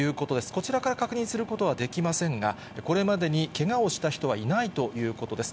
こちらから確認することはできませんが、これまでにけがをした人はいないということです。